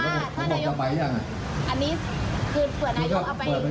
ไม่เพื่อนายกเอาไปประเมิงศาลการณ์